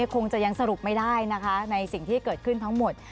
คงจะยังสรุปไม่ได้นะคะในสิ่งที่เกิดขึ้นทั้งหมด